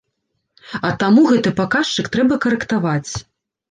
А таму гэты паказчык трэба карэктаваць.